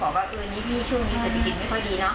ครับแล้วเข้ามาเขาก็บอกว่าเออนี่พี่ช่วงนี้เศรษฐกิจไม่ค่อยดีเนอะ